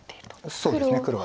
そうですね黒は。